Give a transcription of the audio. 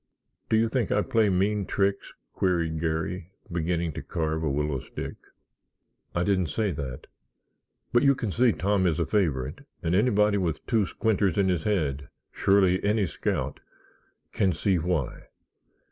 "Do you think I play mean tricks?" queried Garry, beginning to carve a willow stick. "I didn't say that. But you can see Tom is a favorite and anybody with two squinters in his head, surely any scout, can see why.